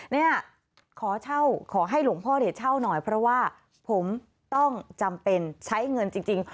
เนี่ยขอเช่าขอให้หลวงพ่อเนี่ยเช่าหน่อยเพราะว่าผมต้องจำเป็นใช้เงินจริง